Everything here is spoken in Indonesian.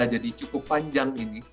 jadi cukup panjang ini